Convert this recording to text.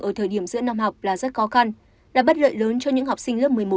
ở thời điểm giữa năm học là rất khó khăn là bất lợi lớn cho những học sinh lớp một mươi một một mươi hai